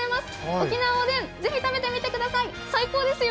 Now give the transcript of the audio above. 沖縄おでん、ぜひ食べてみてください、最高ですよ。